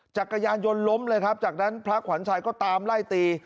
จักรยานยนต์ล้มเลยครับจากนั้นพระขวัญชัยก็ตามไล่ตี